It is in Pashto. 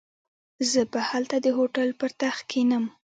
زه به هلته د هوټل پر تخت کښېنم.